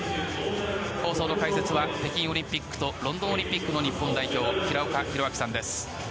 放送の解説は北京オリンピックとロンドンオリンピックの日本代表平岡拓晃さんです。